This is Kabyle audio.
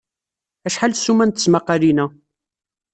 Acḥal ssuma n tesmaqalin-a?